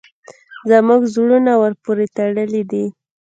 زموږ زړونه ورپورې تړلي دي.